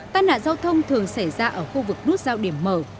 tai nạn giao thông thường xảy ra ở khu vực nút giao điểm mở